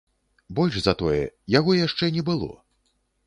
Больш за тое, яго яшчэ не было.